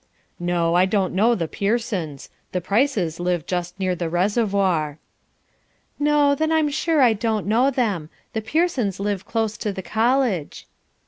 "No, I don't know the Pearsons. The Prices live just near the reservoir." "No, then I'm sure I don't know them. The Pearsons live close to the college."